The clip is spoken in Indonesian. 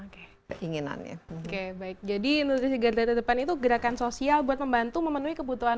keinginannya oke baik jadi ini juga dari depan itu gerakan sosial buat membantu memenuhi kebutuhan